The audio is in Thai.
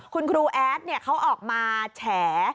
คุณครูแอดเขาออกมาแฉ